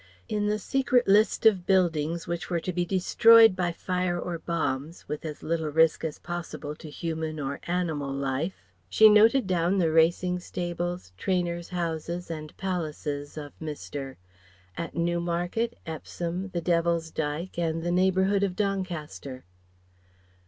In the secret list of buildings which were to be destroyed by fire or bombs, with as little risk as possible to human or animal life, she noted down the racing stables, trainers' houses and palaces of Mr. at Newmarket, Epsom, the Devil's Dyke, and the neighbourhood of Doncaster.